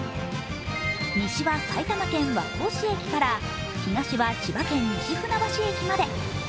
西は埼玉県和光市駅から東は千葉県西船橋駅まで。